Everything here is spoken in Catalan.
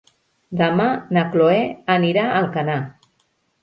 Demà na Cloè anirà a Alcanar.